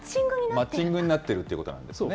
マッチングになってるということなんですね。